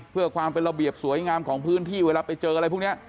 เพื่อความเป็นระเบียบสวยงามของพื้นที่เวลาไปเจออะไรพวกนี้